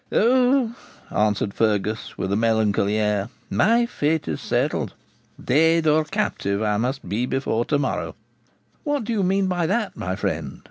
'O,' answered Fergus, with a melancholy air, 'my fate is settled. Dead or captive I must be before tomorrow.' 'What do you mean by that, my friend?'